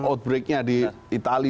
outbreak nya di itali